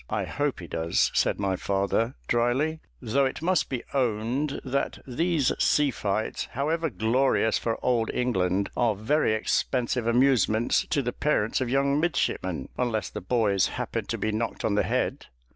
"I hope he does," said my father, drily; "though it must be owned that these sea fights, however glorious for Old England, are very expensive amusements to the parents of young midshipmen, unless the boys happen to be knocked on the head."